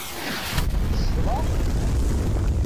Ccḍeɣ?